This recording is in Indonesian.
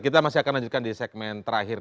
kita masih akan lanjutkan di segmen terakhir